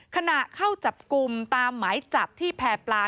ขณะเข้าจับกลุ่มตามหมายจับที่แพร่ปลา